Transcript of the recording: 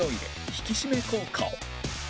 引き締め効果を